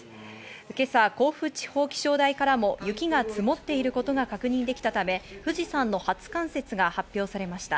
今朝、甲府地方気象台からも雪が積もっていることが確認できたため、富士山の初冠雪が発表されました。